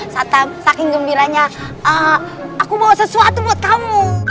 satap saking gembiranya aku bawa sesuatu buat kamu